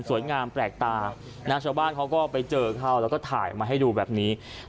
งามแปลกตานะชาวบ้านเขาก็ไปเจอเข้าแล้วก็ถ่ายมาให้ดูแบบนี้